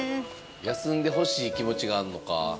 休んでほしい気持ちがあんのか。